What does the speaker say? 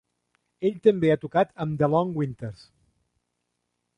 Ell també ha tocat amb The Long Winters.